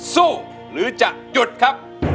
สู้ค่ะ